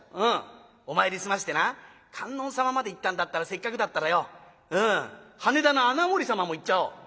お参り済ませてな観音様まで行ったんだったらせっかくだったらよ羽田の穴守様も行っちゃおう。